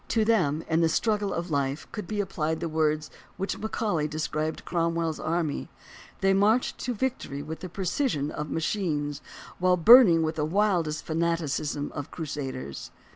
To them, in the struggle of life, could be applied the words in which Macaulay described Cromwell's army: "They marched to victory with the precision of ma chines, while burning with the wildest fanaticism of Crusaders."